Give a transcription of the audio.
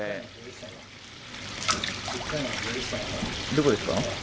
どこですか？